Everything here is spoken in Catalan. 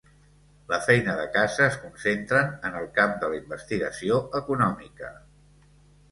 La feina de casa es concentren en el camp de la investigació econòmica.